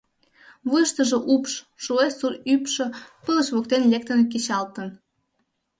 Вуйыштыжо упш, шуэ сур ӱпшӧ пылыш воктен лектын кечалтын.